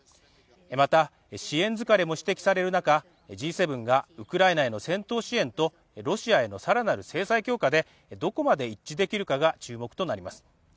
また、支援疲れも指摘される中、Ｇ７がウクライナへの戦闘支援とロシアへの更なる制裁強化でどこまで一致できるかが焦点となります。